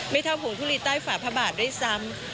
ไม่เท่าผงทุลีต้ายฝากภาบาทด้วยซ้ำ